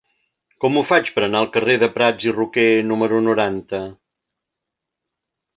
Com ho faig per anar al carrer de Prats i Roquer número noranta?